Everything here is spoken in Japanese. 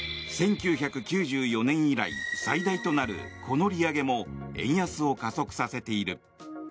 １９９４年以来最大となるこの利上げも円安を加速させている。